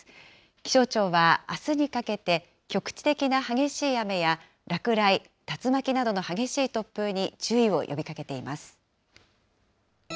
気象庁はあすにかけて、局地的な激しい雨や落雷、竜巻などの激しい突風に注意を呼びかけています。